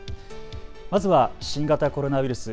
まずは新型コロナウイルス。